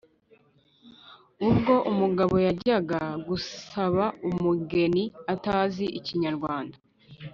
ubwo umugabo yajyaga gusaba umugeni atazi ikinyarwanda